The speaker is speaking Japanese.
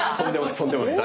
とんでもないです。